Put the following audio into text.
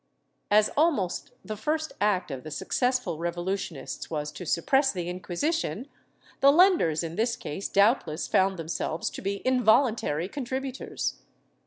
As almost the first act of the successful revolutionists was to suppress the Inquisition, the lenders in this case doubtless found themselves to be involuntary contributors.